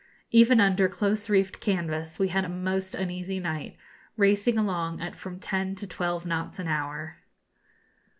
Even under close reefed canvas we had a most uneasy night, racing along at from ten to twelve knots an hour.